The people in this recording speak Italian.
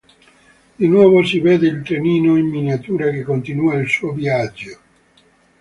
Di nuovo si vede il trenino in miniatura che continua il suo viaggio.